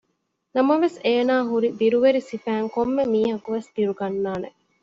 ނަމަވެސް އޭނާ ހުރި ބިރުވެރި ސިފައިން ކޮންމެ މީހަކުވެސް ބިރުގަންނާނެ